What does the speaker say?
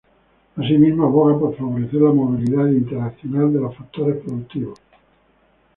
Así mismo aboga por favorecer la movilidad internacional de los factores productivos.